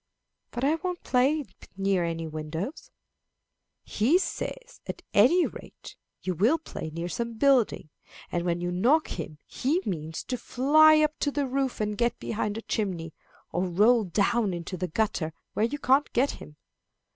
"But I won't play near any windows." "He says, at any rate you will play near some building, and when you knock him he means to fly up to the roof and get behind a chimney, or roll down into the gutter where you can't get him."